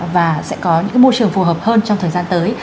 và sẽ có những môi trường phù hợp hơn trong thời gian tới